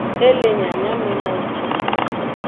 E le nyanyamenowo can.